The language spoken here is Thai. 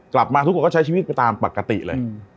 กลับมาทุกคนก็ใช้ชีวิตไปตามปกติเลย